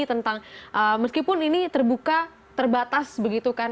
tentang meskipun ini terbuka terbatas begitu kan